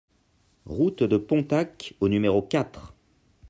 Route de Pontacq au numéro quatre